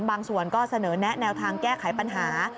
บางส่วนก็เสนอแนะแนวทางแก้ไขปัญหา